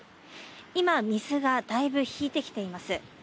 今、水がだいぶ引いてきています。